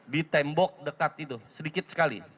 di tembok dekat itu sedikit sekali